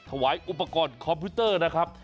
ถวายอุปกรณ์คอมพิวเตอร์นะครับ